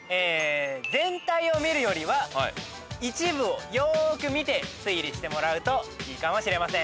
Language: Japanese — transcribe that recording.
全体を見るよりは一部をよーく見て推理してもらうといいかもしれません。